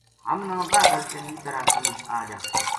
ہم نا واہ گل چنگی طرح سمجھ آ جا